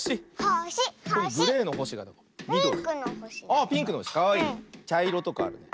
あっピンクのほしかわいいね。